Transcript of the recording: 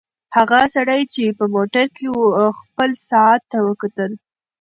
هغه سړی چې په موټر کې و خپل ساعت ته وکتل.